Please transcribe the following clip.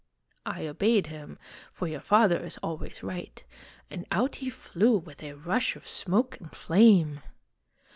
" I obeyed him, for your father is always right, and out he flew with a rush of smoke and flame."